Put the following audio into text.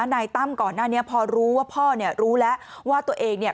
นายตั้มก่อนหน้านี้พอรู้ว่าพ่อเนี่ยรู้แล้วว่าตัวเองเนี่ย